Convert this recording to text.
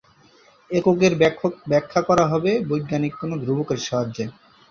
এককের ব্যাখ্যা করা হবে বৈজ্ঞানিক কোনো ধ্রুবকের সাহায্যে।